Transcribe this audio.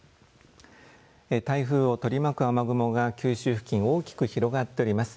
台風を取り巻く雨雲が九州付近大きく広がっております。